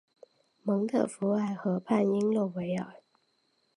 蒙特福尔河畔伊勒维尔。